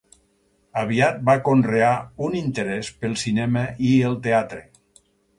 Aviat va conrear un interès pel cinema i el teatre.